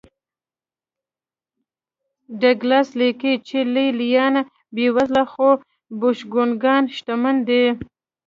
ډاګلاس لیکي چې لې لیان بېوزله خو بوشونګان شتمن دي